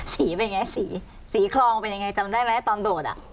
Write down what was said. สีเป็นไงสีสีคลองเป็นยังไงจำได้ไหมตอนโดดอ่ะ